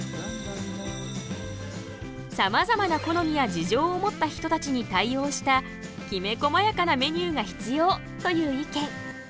さまざまな好みや事情を持った人たちに対応したきめこまやかなメニューが必要という意見。